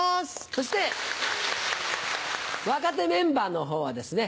そして若手メンバーのほうはですね